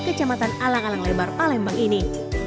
kecamatan alang alang lebar palembang ini